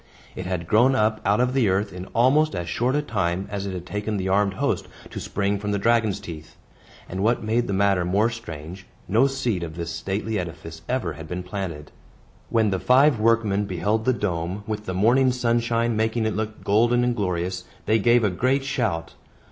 It had grown up out of the earth in almost as short a time as it had taken the armed host to spring from the dragon's teeth; and what made the matter more strange, no seed of this stately edifice ever had been planted. When the five workmen beheld the dome, with the morning sunshine making it look golden and glorious, they gave a great shout.